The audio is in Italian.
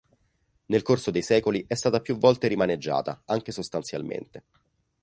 Nel corso dei secoli è stata più volte rimaneggiata, anche sostanzialmente.